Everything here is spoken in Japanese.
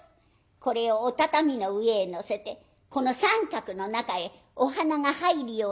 これをお畳の上へのせてこの三角の中へお鼻が入るようなおじぎができますか？」。